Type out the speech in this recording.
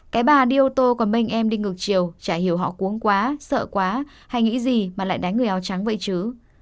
cái bà đi ô tô còn mênh em đi ngược chiều chả hiểu họ cuốn quá sợ quá hay nghĩ gì mà lại đánh người áo trắng vậy chứ